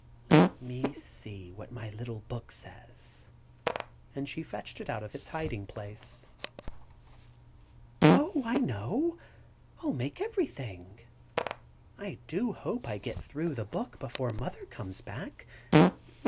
Let me see what my little book says," and she fetched it out of its hiding place. [Illustration: As hungry as two bears.] "Oh, I know! I'll make everything! I do hope I get through the book before Mother comes back!